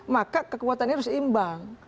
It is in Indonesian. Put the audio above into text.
maka kekuatannya harus imbang